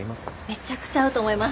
めちゃくちゃ合うと思います。